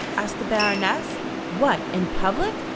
asked the Baroness. "What, in public!